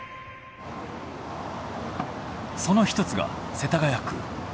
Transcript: その１つが世田谷区。